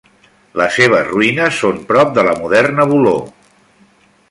Les seves ruïnes són prop de la moderna Volo.